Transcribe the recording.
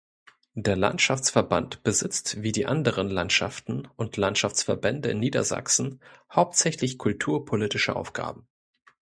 Der Landschaftsverband besitzt wie die anderen Landschaften und Landschaftsverbände in Niedersachsen hauptsächlich kulturpolitische Aufgaben.